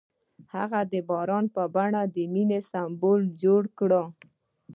هغه د باران په بڼه د مینې سمبول جوړ کړ.